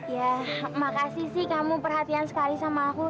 ya makasih sih kamu perhatian sekali sama aku